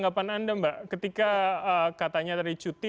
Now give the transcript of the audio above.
tanggapan anda mbak ketika katanya tadi cuti